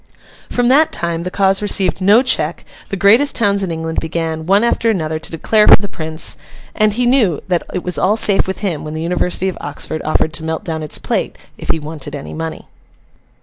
From that time, the cause received no check; the greatest towns in England began, one after another, to declare for the Prince; and he knew that it was all safe with him when the University of Oxford offered to melt down its plate, if he wanted any money.